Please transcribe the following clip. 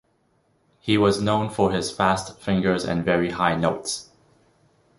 He was known for his fast fingers and very high notes.